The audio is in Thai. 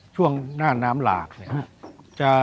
ช่วงหน้าน้ำหลากเนี่ย